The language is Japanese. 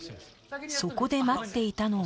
そこで待っていたのは